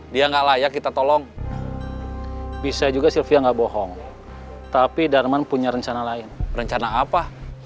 dia nggak layak kita tolong bisa juga sylvia nggak bohong tapi darman punya rencana lain rencana apa